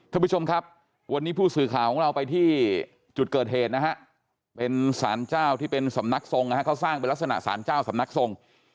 ท่านผู้ชมครับวันนี้ผู้สื่อข่าวของเราไปที่จุดเกิดเหตุนะฮะเป็นสารเจ้าที่เป็นสำนักทรงนะฮะเขาสร้างเป็นลักษณะสารเจ้าสำนักทรง